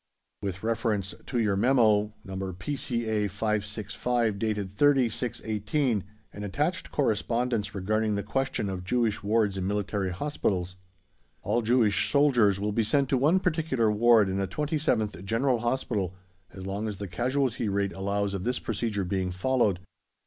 With reference to your memo. No. P.C.A. 565, dated 30/6/18, and attached correspondence regarding the question of Jewish wards in Military Hospitals. All Jewish soldiers will be sent to one particular Ward in the 27th General Hospital, as long as the casualty rate allows of this procedure being followed.